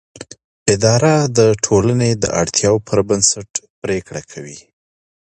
اداره د ټولنې د اړتیاوو پر بنسټ پریکړه کوي.